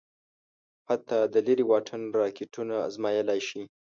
حتی د لېرې واټن راکېټونه ازمايلای شي.